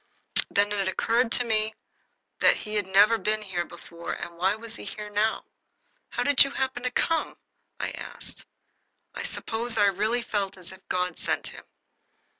Then it occurred to me that he had never been here before, and why was he here now? "How did you happen to come?" I asked. I suppose I really felt as if God sent him.